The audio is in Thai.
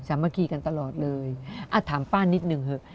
สามัคคีกันตลอดเลยถามป้านิดนึงเถอะ